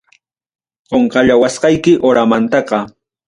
Qonqallawasqayki horamantaqa.